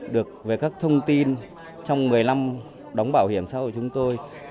được về các thông tin trong một mươi năm năm đóng bảo hiểm xã hội của chúng tôi